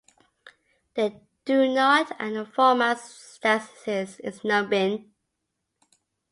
They do not-and the format's stasis is numbing.